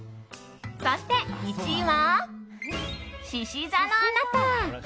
そして１位は、しし座のあなた。